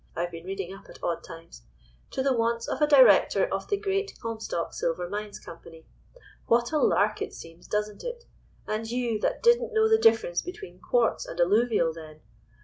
I've been reading up at odd times) to the wants of a Director of the Great Comstock Silver Mines Company. What a lark it seems, doesn't it? And you, that didn't know the difference between quartz and alluvial then!